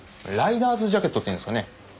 ライダースジャケットっていうんですかね。